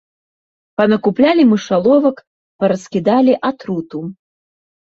Панакуплялі мышаловак, параскідалі атруту.